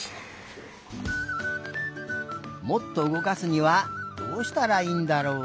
もっとうごかすにはどうしたらいいんだろう？